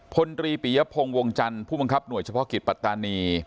พลตรีปียพงศ์วงจันทร์ผู้บังคับหน่วยเฉพาะกิจปัตตานี